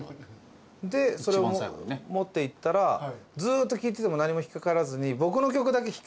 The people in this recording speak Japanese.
でそれを持っていったらずっと聴いてても何も引っかからずに。